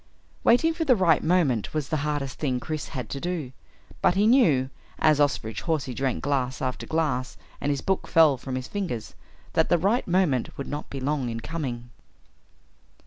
Waiting for the right moment was the hardest thing Chris had to do, but he knew, as Osterbridge Hawsey drank glass after glass and his book fell from his fingers, that the right moment would not be long in coming.